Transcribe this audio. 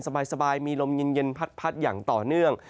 สบายมีลมเย็นพัดอย่างต่อเนื่อง